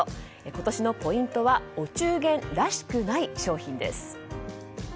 今年のポイントはお中元らしくない商品です。